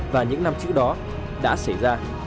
và những năm trước đó đã xảy ra